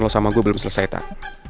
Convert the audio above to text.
kalau sampe citra atau putri dapet masalah